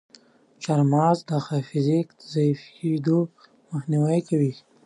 چارمغز د حافظې ضعیفیدو مخنیوی کوي.